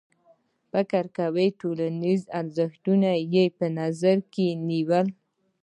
فکر کوي ټولنیز ارزښتونه یې په نظر کې نیولي.